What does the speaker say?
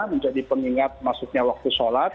menjadi pengingat masuknya waktu sholat